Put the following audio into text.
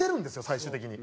最終的に。